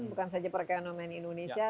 bukan saja perekonomian indonesia